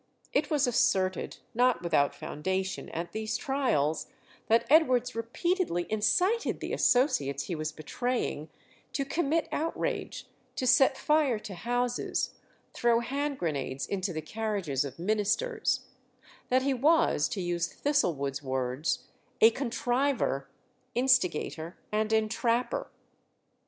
It was asserted, not without foundation, at these trials, that Edwards repeatedly incited the associates he was betraying to commit outrage, to set fire to houses, throw hand grenades into the carriages of ministers; that he was, to use Thistlewood's words, "a contriver, instigator, and entrapper."